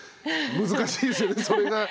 難しいですよねそれが。